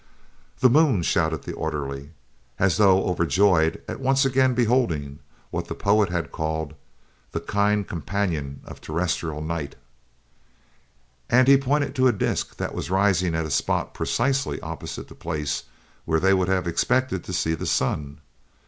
"The moon!" shouted the orderly, as though overjoyed at once again beholding what the poet has called: "The kind companion of terrestrial night;" and he pointed to a disc that was rising at a spot precisely opposite the place where they would have expected to see the sun.